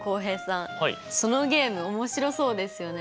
そのゲーム面白そうですよね。